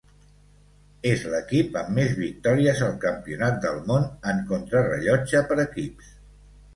És l'equip amb més victòries al Campionat del món en contrarellotge per equips.